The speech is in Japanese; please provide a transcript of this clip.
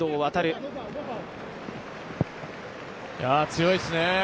強いっすね。